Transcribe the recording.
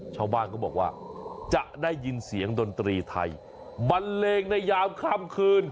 ชาวบ้านเขาบอกว่าจะได้ยินเสียงดนตรีไทยบันเลงในยามค่ำคืน